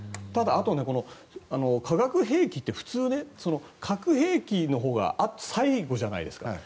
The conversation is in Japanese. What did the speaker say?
ただ、あと化学兵器って普通、核兵器のほうが最後じゃないですか。